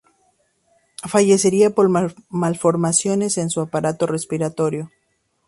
Fallecería por malformaciones en su aparato respiratorio.